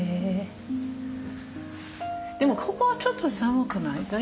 でもここはちょっと寒くない？